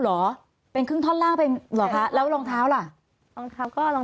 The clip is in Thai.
เหรอเป็นครึ่งท่อนล่างเป็นเหรอคะแล้วรองเท้าล่ะรองเท้าก็รอง